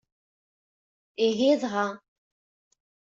Ihi dɣa!